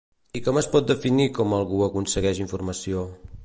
I com es pot definir com algú aconsegueix informació?